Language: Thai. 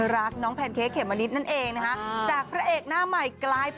รู้จริงครับ